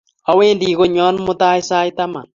Awendi konyon mutai sait taman